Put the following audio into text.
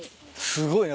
すごいね。